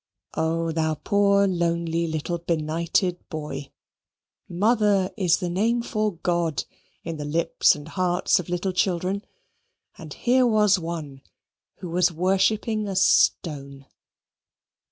Oh, thou poor lonely little benighted boy! Mother is the name for God in the lips and hearts of little children; and here was one who was worshipping a stone!